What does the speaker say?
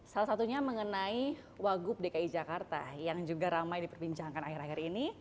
salah satunya mengenai wagub dki jakarta yang juga ramai diperbincangkan akhir akhir ini